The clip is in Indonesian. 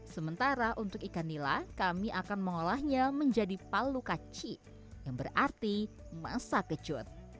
sementara untuk ikan nila kami akan mengolahnya menjadi palu kaci yang berarti masak kecut